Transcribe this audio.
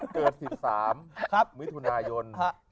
เกิด๑๓มิถุนายน